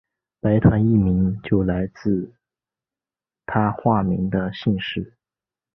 白团一名就来自他化名的姓氏。